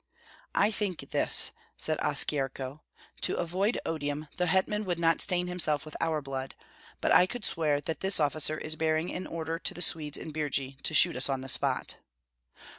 "I think this," said Oskyerko. "To avoid odium the hetman would not stain himself with our blood, but I could swear that this officer is bearing an order to the Swedes in Birji to shoot us on the spot."